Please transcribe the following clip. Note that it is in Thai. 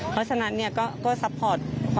เพราะฉะนั้นก็ซัพพอร์ต